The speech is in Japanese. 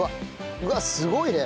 うわっすごいね！